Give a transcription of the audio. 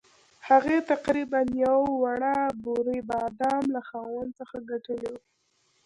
هغې تقریباً یوه وړه بورۍ بادام له خاوند څخه ګټلي وو.